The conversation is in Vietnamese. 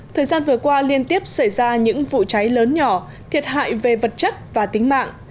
thời gian vừa qua liên tiếp xảy ra những vụ cháy lớn nhỏ thiệt hại về vật chất và tính mạng